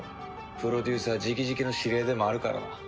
プロデューサー直々の指令でもあるからな。